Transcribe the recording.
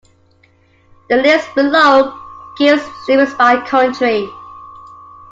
The list below gives limits by country.